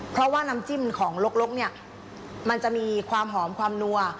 เพราะว่าน้ำจิ้มของลกเนี่ยมันจะมีความหอมความนัว